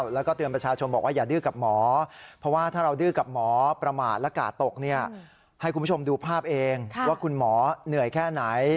แล้วก็เตือนประชาชนบอกว่าอย่าดื้อกับหมอเพราะว่าถ้าเราดื้อกับหมอประมาทและกาดตกเนี่ยให้คุณผู้ชมดูภาพเองว่าคุณหมอเหนื่อยแค่ไหน